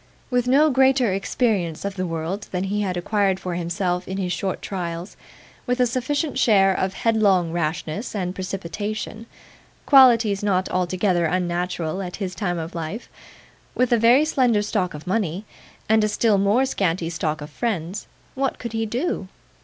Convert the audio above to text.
With no greater experience of the world than he had acquired for himself in his short trials; with a sufficient share of headlong rashness and precipitation (qualities not altogether unnatural at his time of life); with a very slender stock of money, and a still more scanty stock of friends; what could he do?